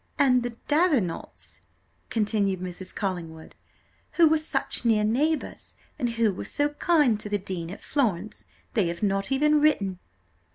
'" "And the Davenants," continued Mrs. Collingwood, "who were such near neighbours, and who were so kind to the dean at Florence; they have not even written!"